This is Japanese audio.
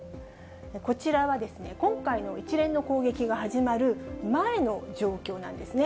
こちらは今回の一連の攻撃が始まる前の状況なんですね。